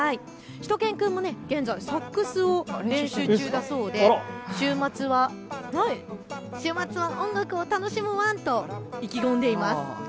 しゅと犬くんも現在サックスを練習中だそうで週末は音楽を楽しむワン！と意気込んでます。